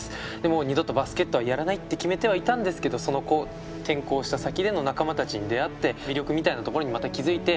「もう二度とバスケットはやらない」って決めてはいたんですけど転校した先での仲間たちに出会って魅力みたいなところにまた気付いて。